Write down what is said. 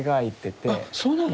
あそうなの？